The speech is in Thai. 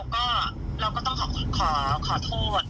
การเข้าข่ายอาญาจารย์